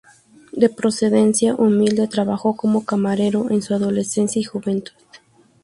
De procedencia humilde, trabajó como camarero en su adolescencia y juventud.